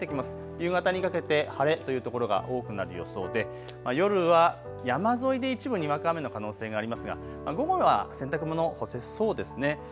夕方にかけて晴れという所が多くなる予想で、夜は山沿いで一部にわか雨の可能性がありますが午後は洗濯物、干せそうですね。